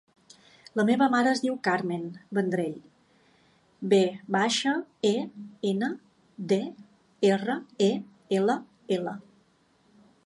La meva mare es diu Carmen Vendrell: ve baixa, e, ena, de, erra, e, ela, ela.